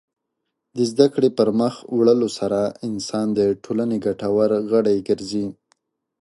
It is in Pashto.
د زدهکړې پرمخ وړلو سره انسان د ټولنې ګټور غړی ګرځي.